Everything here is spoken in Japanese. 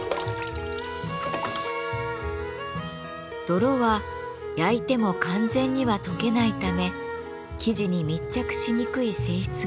泥は焼いても完全には溶けないため素地に密着しにくい性質があります。